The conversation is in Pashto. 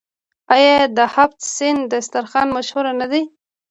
آیا د هفت سین دسترخان مشهور نه دی؟